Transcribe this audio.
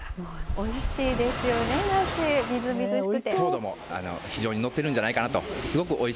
おいしいですよね、梨、みずみずしくて。